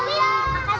makasih ya tiara